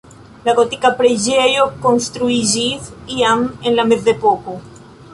La gotika preĝejo konstruiĝis iam en la mezepoko.